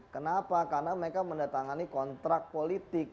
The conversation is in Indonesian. kenapa karena mereka mendatangani kontrak politik